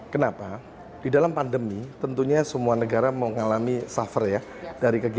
kenapa di dalam pandemi tentunya semua negara mengalami suffer ya